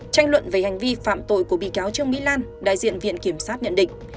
tranh luận về hành vi phạm tội của bị cáo trương mỹ lan đại diện viện kiểm sát nhận định